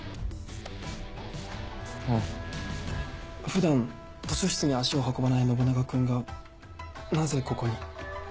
普段図書室に足を運ばない信長君がなぜここに？